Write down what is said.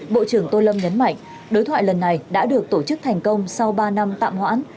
bộ trưởng tô lâm nhấn mạnh đối thoại lần này đã được tổ chức thành công sau ba năm tạm hoãn